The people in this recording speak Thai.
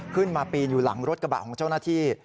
ปีนอยู่หลังรถกระบะของเจ้าหน้าที่